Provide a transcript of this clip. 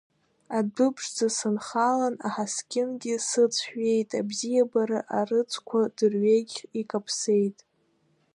Адәы ԥшӡа санхалан, аҳаскьынгьы сыцәҩеит, абзиабара арыцқәа дырҩегьх икаԥсеит.